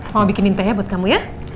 mama bikinin tehnya buat kamu ya